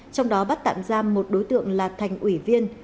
trong đó bắt tạm giam một đối tượng là thành ủy viên